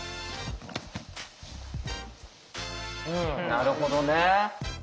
なるほどね。